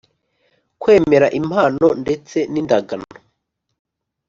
Kwemera impano ndetse n indagano